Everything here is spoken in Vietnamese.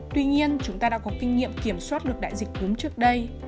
tuy nhiên chúng ta đã có kinh nghiệm kiểm soát được đại dịch cúm trước đây